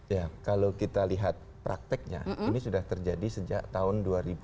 ya kalau kita lihat prakteknya ini sudah terjadi sejak tahun dua ribu